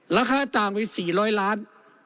ราคาต่างไปสี่ร้อยล้าน